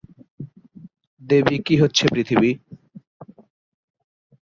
দেবী কি হচ্ছে পৃথিবী।